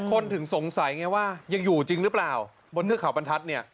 คนถึงสงสัยไงว่ายังอยู่จริงหรือเปล่าบนเทือกเขาบรรทัศน์เนี่ย